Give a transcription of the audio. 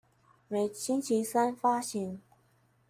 每星期三發行